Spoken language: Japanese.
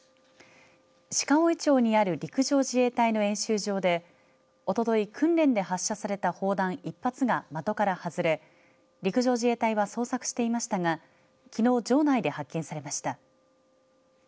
鹿追町にある陸上自衛隊の演習場でおととい訓練で発射された砲弾１発が的から外れ陸上自衛隊は捜索していましたがきのう、場内で発見されました。